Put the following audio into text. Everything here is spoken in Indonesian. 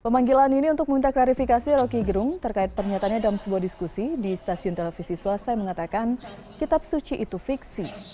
pemanggilan ini untuk meminta klarifikasi roky gerung terkait pernyataannya dalam sebuah diskusi di stasiun televisi swasta yang mengatakan kitab suci itu fiksi